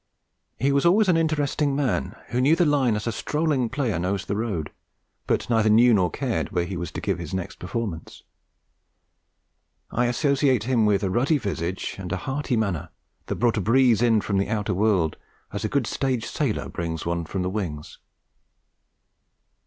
He was always an interesting man, who knew the Line as a strolling player knows the Road, but neither knew nor cared where he was to give the next performance. I associate him with a ruddy visage and a hearty manner that brought a breeze in from the outer world, as a good stage sailor brings one from the wings.